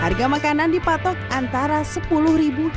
harga makanan dipatok antara sepuluh hingga lima puluh rupiah per item